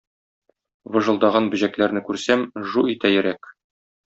Выжылдаган бөҗәкләрне күрсәм, жу итә йөрәк.